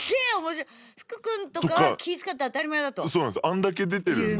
あんだけ出てるんで。